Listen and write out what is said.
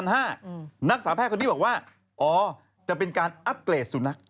นักศึกษาแพทย์คนนี้บอกว่าอ๋อจะเป็นการอัพเกรดสุนัข